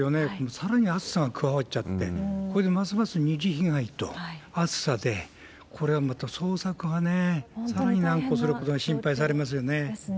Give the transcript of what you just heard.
さらに暑さが加わっちゃって、これでますます二次被害と暑さで、これはまた捜索がね、さらに難航することが心配されますよね。